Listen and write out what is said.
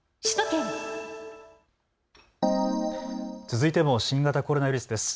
続いても新型コロナウイルスです。